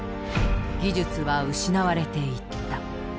技術は失われていった。